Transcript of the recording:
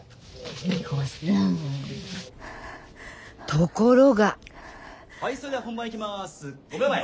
ところがはいそれでは本番いきます。